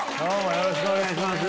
よろしくお願いします。